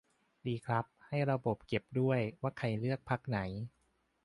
ดีครับ ให้ระบบเก็บด้วย ว่าใครเลือกพรรคไหน